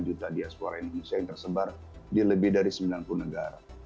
dua puluh juta diaspora indonesia yang tersebar di lebih dari sembilan puluh negara